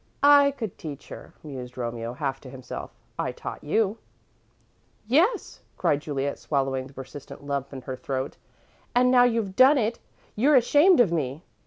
"I could teach her," mused Romeo, half to himself. "I taught you." "Yes," cried Juliet, swallowing the persistent lump in her throat, "and now you've done it, you're ashamed of me!"